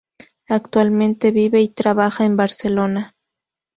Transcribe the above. Actualmente vive y trabaja en Barcelona.